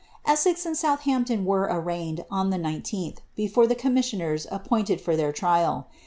Esses and Southampton were arraigned, on the li)th, before the com missioners appointed for their trial.